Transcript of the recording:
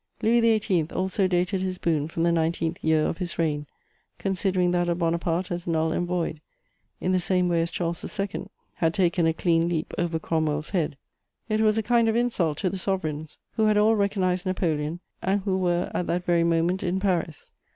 Louis XVIII. also dated his boon from the nineteenth year of his reign, considering that of Bonaparte as null and void, in the same way as Charles II. had taken a clean leap over Cromwell's head: it was a kind of insult to the sovereigns, who had all recognised Napoleon and who were at that very moment in Paris.